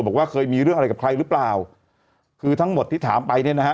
บอกว่าเคยมีเรื่องอะไรกับใครหรือเปล่าคือทั้งหมดที่ถามไปเนี่ยนะฮะ